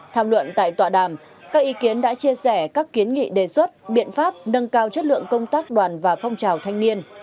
tham luận tại tọa đàm các ý kiến đã chia sẻ các kiến nghị đề xuất biện pháp nâng cao chất lượng công tác đoàn và phong trào thanh niên